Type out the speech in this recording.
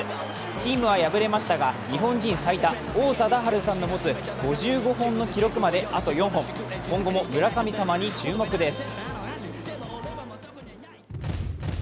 チームは敗れましたが日本人最多、王貞治さんの持つ５５本の記録まであと４本、今後も村神様に注目です。